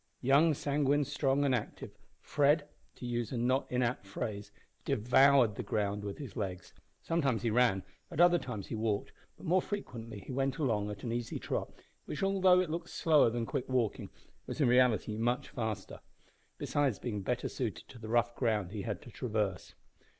Young, sanguine, strong, and active, Fred, to use a not inapt phrase, devoured the ground with his legs! Sometimes he ran, at other times he walked, but more frequently he went along at an easy trot, which, although it looked slower than quick walking, was in reality much faster, besides being better suited to the rough ground he had to traverse.